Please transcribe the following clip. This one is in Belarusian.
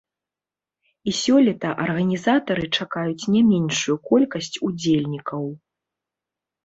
І сёлета арганізатары чакаюць не меншую колькасць удзельнікаў.